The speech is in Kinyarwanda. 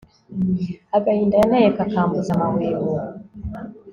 agahinda yanteye kakambuza amahwemo